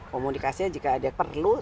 komunikasinya jika ada yang perlu